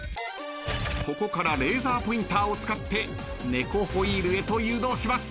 ここからレーザーポインターを使って猫ホイールへと誘導します。